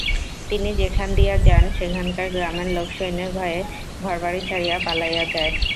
তিনি যেখান দিয়া যান, সেখানকার গ্রামের লোক সৈন্যের ভয়ে ঘরবাড়ি ছাড়িয়া পালাইয়া যায়।